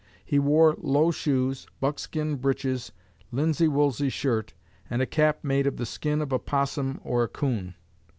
He wore low shoes, buckskin breeches, linsey woolsey shirt, and a cap made of the skin of a 'possum or a coon.